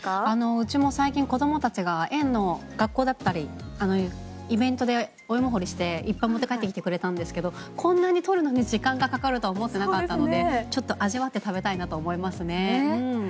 うちも最近子供たちが園の学校だったりイベントで芋ほりしていっぱい持って帰ってきてくれたんですけどこんなに取るのに時間がかかると思ってなかったのでちょっと味わって食べたいなと思いますね。